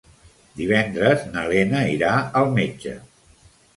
Divendres na Lena irà al metge.